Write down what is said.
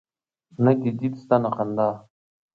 نه دي دید سته نه خندا